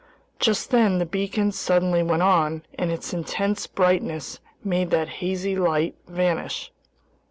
Just then the beacon suddenly went on, and its intense brightness made that hazy light vanish.